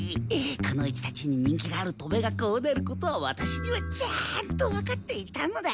くの一たちに人気がある戸部がこうなることはワタシにはちゃんとわかっていたのだ。